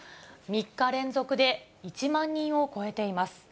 ３日連続で１万人を超えています。